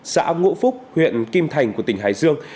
xã ngũ phúc huyện kim thành của tỉnh hải dương